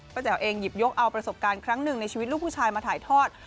แจ๋วเองหยิบยกเอาประสบการณ์ครั้งหนึ่งในชีวิตลูกผู้ชายมาถ่ายทอด